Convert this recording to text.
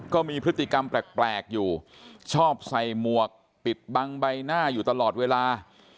ก็มีพฤติกรรมแปลกอยู่ชอบใส่หมวกปิดบังใบหน้าอยู่ตลอดเวลา